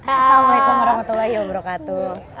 assalamualaikum warahmatullahi wabarakatuh